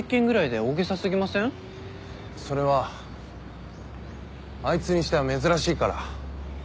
それはあいつにしては珍しいから。